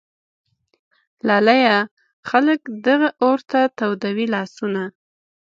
لالیه ! خلک دغه اور ته تودوي لاسونه